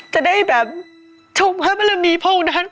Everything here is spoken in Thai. จะได้แบบชมพระบรมีพวกนั้น